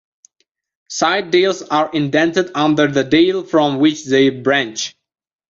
Side dales are indented under the dale from which they branch.